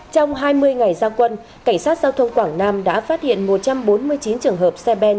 trong hai mươi ngày gia quân cảnh sát giao thông quảng nam đã phát hiện một trăm bốn mươi chín trường hợp xe ben